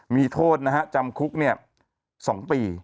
มีโทษนะครับจำคุกเนี่ย๒ปี